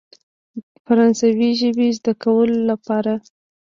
فرانسوي ژبې زده کولو لپاره.